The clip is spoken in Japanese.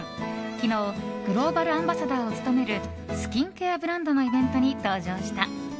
昨日グローバルアンバサダーを務めるスキンケアブランドのイベントに登場した。